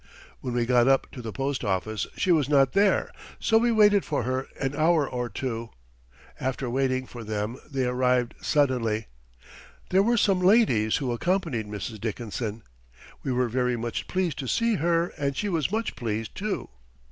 When we got up to the Post Office she was not there so we waited for her an hour or two. After waiting for them they arrived suddenly. There were some ladies who accompanied Mrs. Dickinson. We were very much pleased to see her and she was much pleased too.